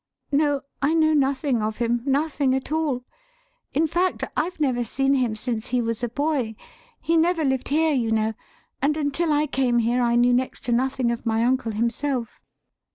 No, I know nothing of him nothing at all. In fact, I've never seen him since he was a boy. He never lived here, you know; and until I came here, I knew next to nothing of my uncle himself.